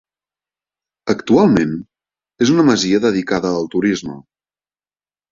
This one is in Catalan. Actualment és una masia dedicada al Turisme.